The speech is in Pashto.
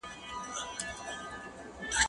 زه مخکي قلم استعمالوم کړی و!